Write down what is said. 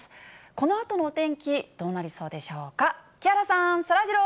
このあとのお天気、どうなりそうでしょうか。